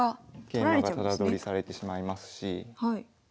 桂馬がタダ取りされてしまいますし。